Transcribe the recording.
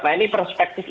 nah ini perspektif